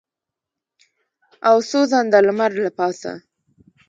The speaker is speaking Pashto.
او سوځنده لمر له پاسه.